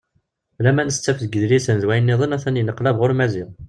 Laman tettaf deg yidlisen d wayen-nniḍen a-t-an yenneqlab ɣur Maziɣ.